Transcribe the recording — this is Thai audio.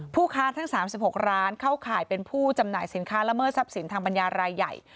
ค้าทั้ง๓๖ร้านเข้าข่ายเป็นผู้จำหน่ายสินค้าละเมิดทรัพย์สินทางปัญญารายใหญ่